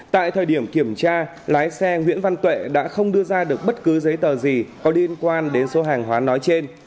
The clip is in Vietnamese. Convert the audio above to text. tại thời điểm kiểm tra lái xe nguyễn văn tuệ đã không đưa ra được bất cứ giấy tờ gì có liên quan đến số hàng hóa nói trên